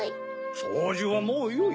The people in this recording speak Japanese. そうじはもうよい。